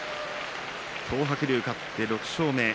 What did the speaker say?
東白龍、勝って６勝目。